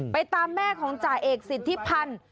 ไปตามแม่ของจ่ายกศิษย์ทิพันธ์